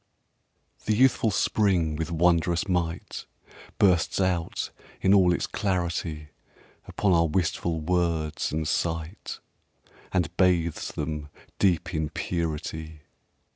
IX The youthful spring with wondrous might Bursts out in all its clarity Upon our wistful words and sight, And bathes them deep in purity.